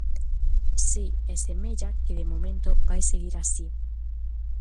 Si, e semella que de momento vai seguir así.